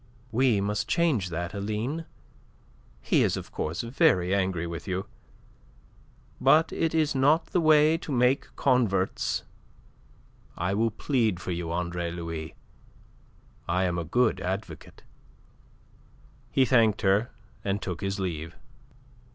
"We must change that, Aline. He is of course very angry with you. But it is not the way to make converts. I will plead for you, Andre Louis. I am a good advocate." He thanked her and took his leave.